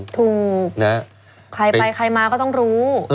ถูกใครไปใครมาก็ต้องรู้